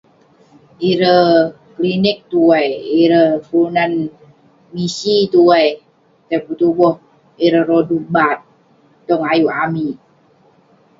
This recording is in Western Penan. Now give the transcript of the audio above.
Ireh klinik tuai, ireh kelunan misi tuai. Tei petubuh ireh rodu bad, tong ayuk amik.